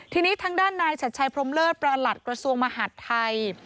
ทีนี้ทางด้านนายชัดชัยพรมเลิศประหลัดกระทรวงมหาดไทย